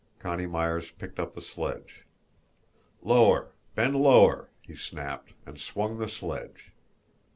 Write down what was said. Connie Myers picked up the sledge. "Lower! Bend lower!" he snapped and swung the sledge.